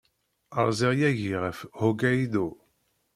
Rziɣ yagi ɣef Hokkaido.